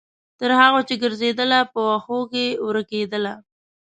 تر هغو چې ګرځیدله، په وښو کې ورکیدله